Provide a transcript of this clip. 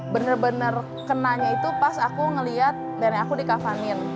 bener bener kenanya itu pas aku ngeliat nenek aku di kafanin